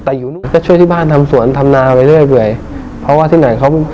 แต่อยู่นู่นก็ช่วยที่บ้านทำสวนทำนาไปเรื่อยเพราะว่าที่ไหนเขา